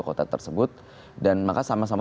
kota tersebut dan maka sama sama